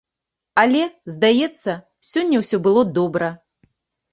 Але, здаецца, сёння ўсё было добра.